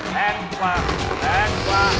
แพงกว่าแพงกว่า